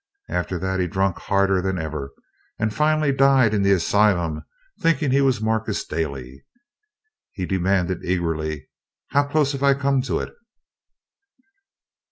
After that he drunk harder than ever, and finally died in the asylum thinkin' he was Marcus Daly." He demanded eagerly, "How clost have I come to it?"